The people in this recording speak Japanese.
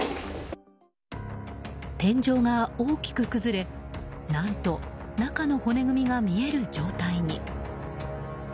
天井が大きく崩れ何と中の骨組みが見える状態に。